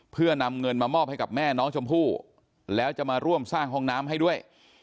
เพื่อนำเงินมามอบให้กับแม่น้องชมพู่แล้วจะมาร่วมสร้างห้องน้ำให้ด้วย